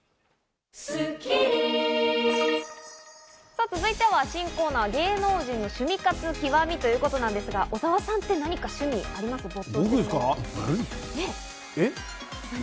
さぁ、続いては新コーナー、芸能人のシュミ活「極」ということなんですが、小澤さんって何か趣味ありますか？